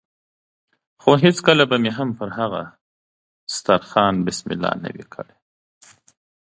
خو هېڅکله به مې هم پر هغه دسترخوان بسم الله نه وي کړې.